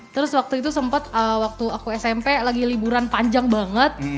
terus waktu itu sempat waktu aku smp lagi liburan panjang banget